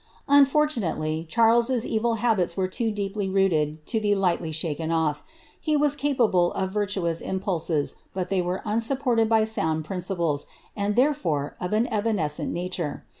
L'nfortunately, Chaileb^s evil liabit« were t«>o deeply rooied to be liglitly sltaken oif. lie was capable of virtuous impulses, but they were im »upported by sound principles, and therefore of an eraneseent nataie.